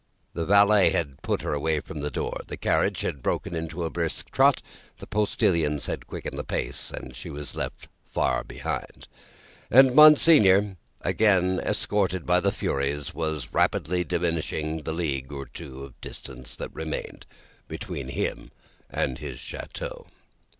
The valet had put her away from the door, the carriage had broken into a brisk trot, the postilions had quickened the pace, she was left far behind, and Monseigneur, again escorted by the Furies, was rapidly diminishing the league or two of distance that remained between him and his chateau.